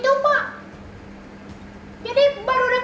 tak aing sebagai akibanyu aing